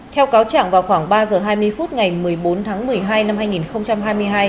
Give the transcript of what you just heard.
theo cáo chẳng vào khoảng ba giờ hai mươi phút ngày một mươi bốn tháng một mươi hai năm hai nghìn hai mươi hai